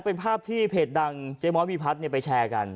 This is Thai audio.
เป็นภาพที่เพจดังเจมส์พี่พัดเนี่ยไปแชร์กัน